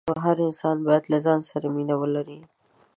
هر انسان باید له ځان سره مینه ولري.